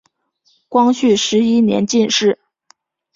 光绪十一年进士。